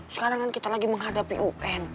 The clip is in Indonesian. sekarang kan kita lagi menghadapi un